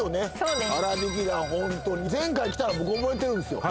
あらびき団ホントに前回来たの僕覚えてるんですよ